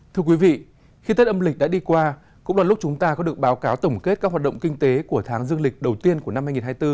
thưa quý vị khi tết âm lịch đã đi qua cũng là lúc chúng ta có được báo cáo tổng kết các hoạt động kinh tế của tháng dương lịch đầu tiên của năm hai nghìn hai mươi bốn